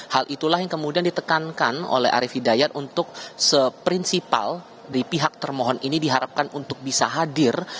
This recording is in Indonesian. hal itulah yang kemudian ditekankan oleh arief hidayat untuk seprinsipal dari pihak termohon ini diharapkan untuk bisa hadir